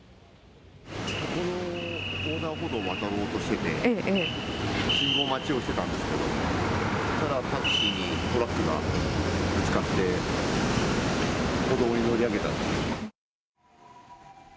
そこの横断歩道を渡ろうとしてて、信号待ちをしてたんですけど、そしたらタクシーにトラックがぶつかって、歩道に乗り上げたっていう。